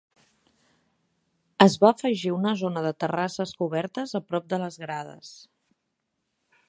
Es va afegir una zona de terrasses cobertes a prop de les grades.